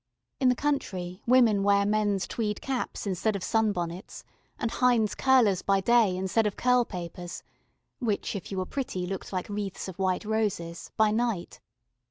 In the country women wear men's tweed caps instead of sunbonnets, and Hinde's curlers by day instead of curl papers (which if you were pretty, looked like wreaths of white roses) by night.